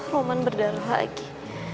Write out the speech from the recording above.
roman berdarah lagi